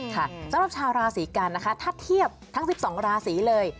สำหรับชาวราศีกันนะคะถ้าเทียบทั้ง๑๒ราศีเลย